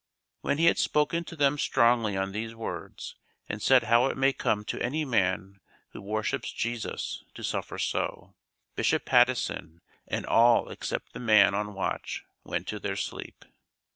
When he had spoken to them strongly on these words and said how it may come to any man who worships Jesus to suffer so, Bishop Patteson and all except the man on watch went to their sleep.